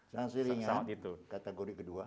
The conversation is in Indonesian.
sanksi ringan kategori kedua